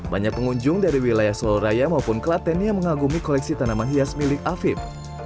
banyak pengunjung dari wilayah soloraya maupun kelaten yang mengagumi koleksi tanaman hias milik afiq